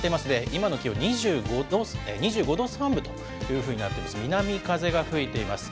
今の気温、２５度３分というふうになっています。